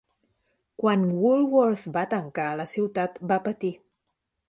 Quan Woolworth's va tancar, la ciutat va patir.